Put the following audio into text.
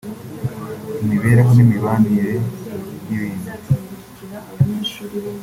imibereho n’imibanire n’ibindi